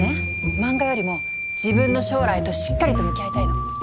漫画よりも自分の将来としっかりと向き合いたいの。